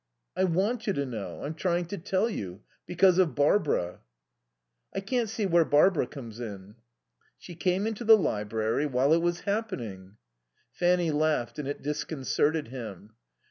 "I want you to know. I'm trying to tell you because of Barbara." "I can't see where Barbara comes in." "She came into the library while it was happening " Fanny laughed and it disconcerted him.